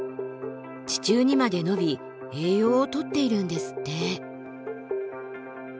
地中にまで伸び栄養をとっているんですって。